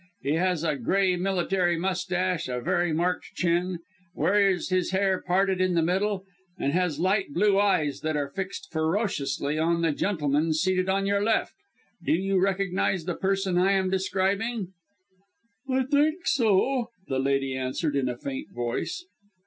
He has a grey military moustache, a very marked chin; wears his hair parted in the middle, and has light blue eyes that are fixed ferociously on the gentleman seated on your left. Do you recognize the person I am describing?" "I think so," the lady answered in a faint voice.